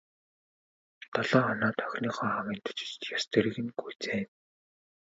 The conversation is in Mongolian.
Долоо хоноод охиныхоо аавынд очиж ёс төрийг нь гүйцээнэ.